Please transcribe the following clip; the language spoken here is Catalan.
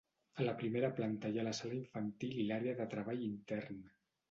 A la primera planta hi ha la sala infantil i l’àrea de treball intern.